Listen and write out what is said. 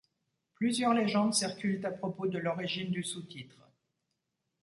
Plusieurs légendes circulent à propos de l'origine du sous-titre.